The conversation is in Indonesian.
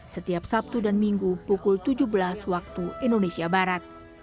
setiap sabtu dan minggu pukul tujuh belas waktu indonesia barat